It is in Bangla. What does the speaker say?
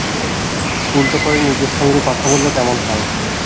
উলটো করে নিজের সঙ্গে কথা বললে কেমন হয়?